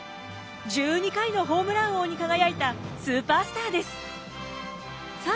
１２回のホームラン王に輝いたスーパースターです。